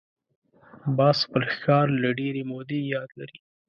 باز خپل ښکار له ډېرې مودې یاد لري